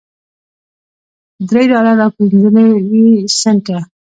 درې ډالره او پنځه نوي سنټه